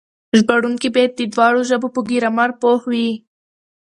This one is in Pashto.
ژباړونکي بايد د دواړو ژبو په ګرامر پوه وي.